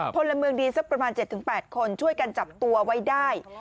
พลเมืองดีสักประมาณ๗๘คนช่วยกันจับตัวไว้ได้